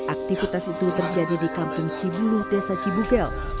aktivitas itu terjadi di kampung cibulu desa cibugel